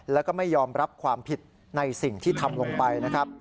แล้วก็ไม่ยอมรับความผิดในสิ่งที่ทำลงไปนะครับ